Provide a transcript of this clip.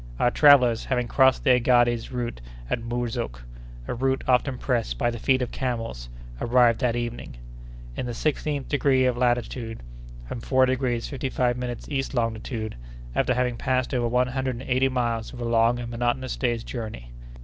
Our travellers, having crossed the Aghades route at Murzouk—a route often pressed by the feet of camels—arrived that evening, in the sixteenth degree of north latitude, and four degrees fifty five minutes east longitude, after having passed over one hundred and eighty miles of a long and monotonous day's journey.